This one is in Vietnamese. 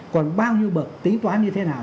còn bao nhiêu bậc tính toán như thế nào